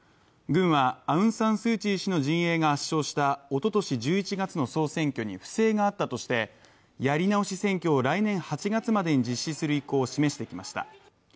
軍はアウン・サン・スー・チー氏の陣営が圧勝したおととし１１月の総選挙に不正があったとしてやり直し選挙を来年８月までに実施する意向を示してきました。